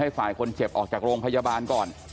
ฝ่ายคนเจ็บออกจากโรงพยาบาลก่อน